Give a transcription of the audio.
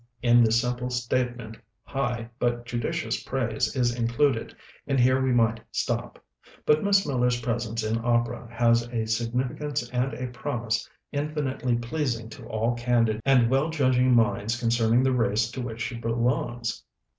In this simple statement high but judicious praise is included; and here we might stop. But Miss Miller's presence in opera has a significance and a promise infinitely pleasing to all candid and well judging minds concerning the race to which she belongs.